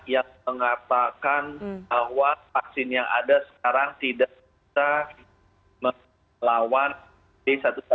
yang mengatakan bahwa vaksin yang ada sekarang tidak bisa melawan b satu ratus tujuh belas